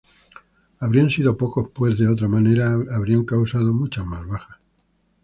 Habrían sido pocos pues de otra manera habrían causado muchas más bajas.